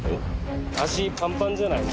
足パンパンじゃない？